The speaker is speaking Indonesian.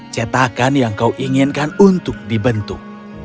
cetakan yang kau inginkan untuk dibentuk